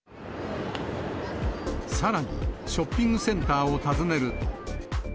さらにショッピングセンターを訪ねると。